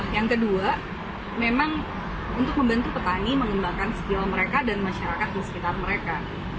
yang kedua memang untuk membantu petani mengembangkan skill mereka dan masyarakat di sekitar mereka